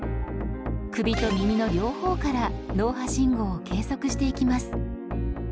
首と耳の両方から脳波信号を計測していきます。